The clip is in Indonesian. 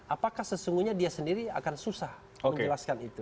apakah sesungguhnya dia sendiri akan susah menjelaskan itu